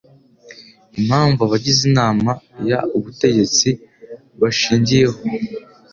impamvu abagize Inama y Ubutegetsi bashingiyeho